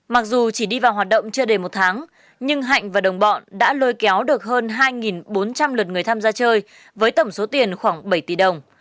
mặc dù chỉ đi vào hoạt động chưa đầy một tháng nhưng hạnh và đồng bọn đã lôi kéo được hơn hai bốn trăm linh lượt người tham gia chơi với tổng số tiền khoảng bảy tỷ đồng